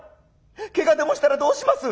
けがでもしたらどうします！」。